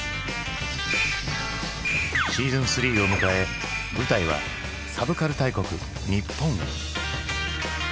シーズン３を迎え舞台はサブカル大国日本へ。